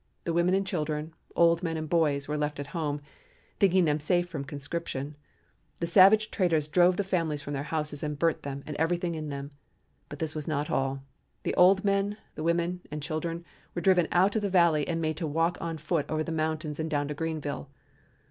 The women and children, old men and boys, were left at home, thinking them safe from conscription. The savage traitors drove the families from their houses and burnt them and everything in them. But this was not all. The old men, the women, and children were driven out of the valley and made to walk on foot over the mountains and down to Greenville.